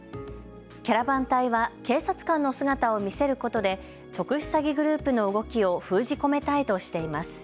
キャラバン隊は警察官の姿を見せることで特殊詐欺グループの動きを封じ込めたいとしています。